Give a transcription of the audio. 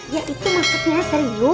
ya itu maksudnya serius